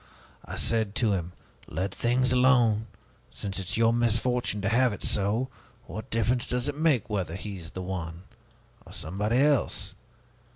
I said to him, 'Let things alone! Since it is your misfortune to have it so, what difference does it make whether he is the one, or somebody else?'